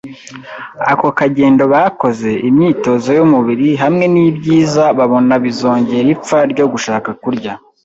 Ako kagendo bakoze, imyitozo y’umubiri, hamwe n’ibyiza babona bizongera ipfa ryo gushaka kurya,